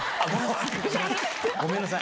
ごめんなさい。